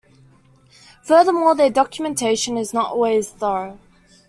Furthermore, their documentation is not always thorough.